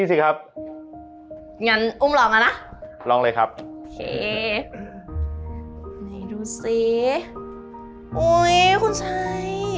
อุ้ยคุณชัย